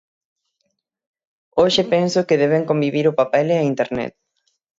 Hoxe penso que deben convivir o papel e a Internet.